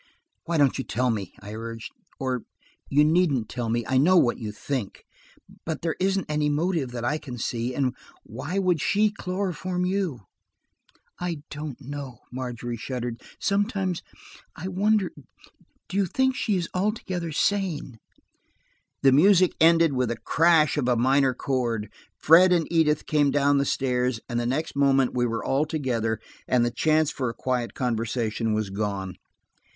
"Why don't you tell me?" I urged. "Or–you needn't tell me, I know what you think. But there isn't any motive that I can see, and why would she chloroform you?" "I don't know," Margery shuddered. "Sometimes–I wonder–do you think she is altogether sane?" The music ended with the crash of a minor chord. Fred and Edith came down the stairs, and the next moment we were all together, and the chance for a quiet conversation was gone.